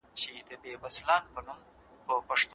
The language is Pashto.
آیا باران به زموږ په پټي کې واښه زیات کړي؟